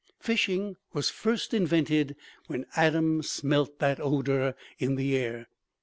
Fishing was first invented when Adam smelt that odor in the air.